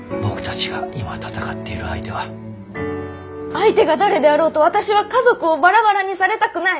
相手が誰であろうと私は家族をバラバラにされたくない。